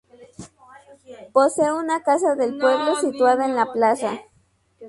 Posee una Casa del Pueblo, situada en la Plaza.